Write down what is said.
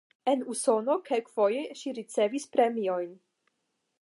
En Usono kelkfoje ŝi ricevis premiojn.